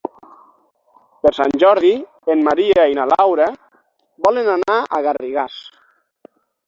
Per Sant Jordi en Maria i na Laura volen anar a Garrigàs.